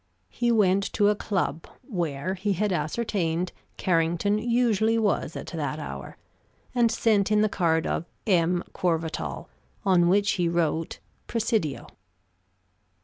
He went to a club where, he had ascertained, Carrington usually was at that hour, and sent in the card of "M. Courvatal," on which he wrote, "Presidio."